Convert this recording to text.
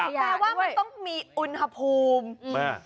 แปลว่ามันต้องมีอุณหภูมิ